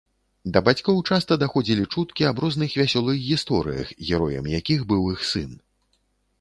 Да бацькоў часта даходзілі чуткі аб розных вясёлых гісторыях, героем якіх быў іх сын.